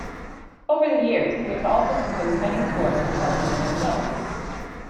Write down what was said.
Over the years he has also composed many scores for television and film.